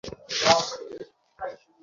বললাম তো স্যার, আমি এককথার মানুষ।